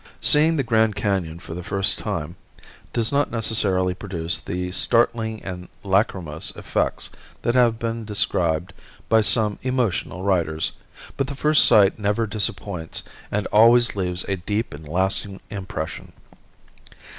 Seeing the Grand Canon for the first time does not necessarily produce the startling and lachrymose effects that have been described by some emotional writers, but the first sight never disappoints and always leaves a deep and lasting impression.